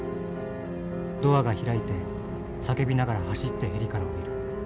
ドアが開いて叫びながら走ってヘリから降りる。